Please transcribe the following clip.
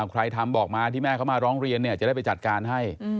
ใครทำบอกมาที่แม่เขามาร้องเรียนจะได้ไปจัดการให้